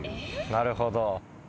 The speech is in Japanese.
なるほど。